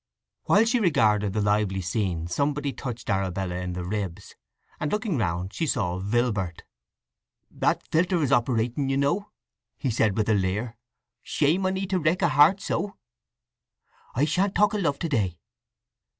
While she regarded the lively scene somebody touched Arabella in the ribs, and looking round she saw Vilbert. "That philtre is operating, you know!" he said with a leer. "Shame on 'ee to wreck a heart so!" "I shan't talk of love to day."